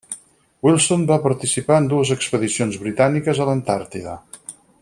Wilson va participar en dues expedicions britàniques a l'Antàrtida.